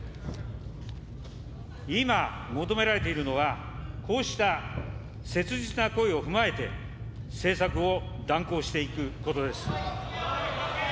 今、求められているのは、こうした切実な声を踏まえて、政策を断行していくことです。